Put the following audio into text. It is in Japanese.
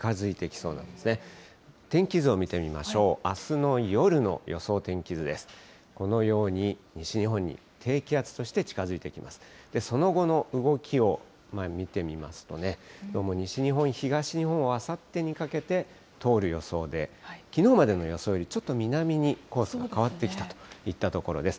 その後の動きを見てみますとね、どうも西日本、東日本をあさってにかけて、通る予想で、きのうまでの予想よりちょっと南にコースが変わってきたといったところです。